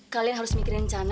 kalian harus mikirin rencana